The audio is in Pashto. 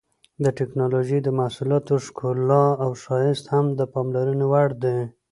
د ټېکنالوجۍ د محصولاتو ښکلا او ښایست هم د پاملرنې وړ دي.